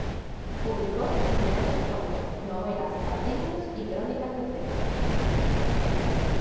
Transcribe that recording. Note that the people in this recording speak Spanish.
Publicó numerosos cuentos, novelas, artículos y crónicas de prensa.